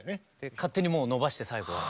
勝手にもう伸ばして最後は。